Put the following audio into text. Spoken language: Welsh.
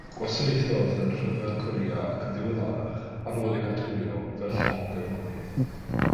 Gwasanaethodd yn Rhyfel Corea ac yn ddiweddarach, ar ôl ei hatgyweirio, fel llong gefnogi.